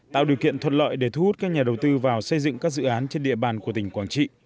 tạo điều kiện thuận lợi để thu hút các nhà đầu tư vào xây dựng các dự án trên địa bàn của tỉnh quảng trị